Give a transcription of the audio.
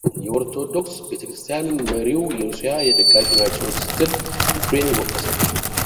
የኦርቶዶክስ ቤተክርስትያን መሪው የሩሲያ ደጋፊ ናቸው ስትል ዩክሬን ወቀሰች